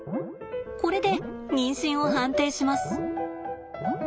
これで妊娠を判定します。